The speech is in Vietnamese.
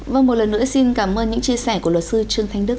vâng một lần nữa xin cảm ơn những chia sẻ của luật sư trương thanh đức